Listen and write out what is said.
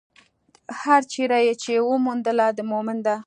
هره چېرې يې چې وموندله، د مؤمن ده.